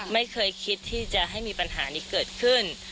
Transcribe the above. ไม่เคยคิดที่จะให้มีปัญหานี้เกิดขึ้น